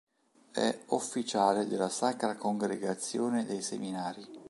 È officiale della Sacra Congregazione dei Seminari.